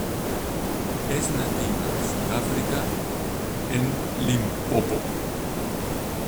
Es nativa de Sudáfrica en Limpopo.